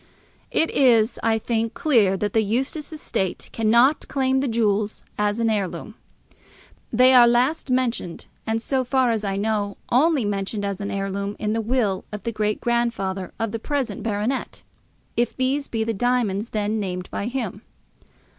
It is, I think, clear that the Eustace estate cannot claim the jewels as an heirloom. They are last mentioned, and, as far as I know, only mentioned as an heirloom in the will of the great grandfather of the present baronet, if these be the diamonds then named by him.